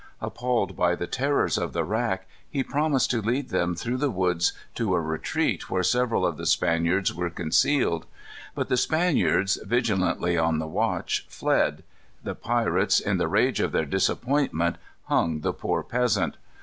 Appalled by the terrors of the rack, he promised to lead them through the woods to a retreat where several of the Spaniards were concealed. But the Spaniards, vigilantly on the watch, fled. The pirates, in the rage of their disappointment, hung the poor peasant.